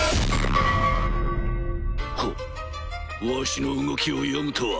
ほうわしの動きを読むとは。